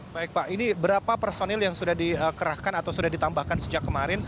baik pak ini berapa personil yang sudah dikerahkan atau sudah ditambahkan sejak kemarin